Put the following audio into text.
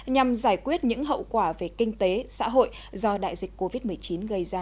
nhằm giải quyết những hậu quả về kinh tế xã hội do đại dịch covid một mươi chín gây ra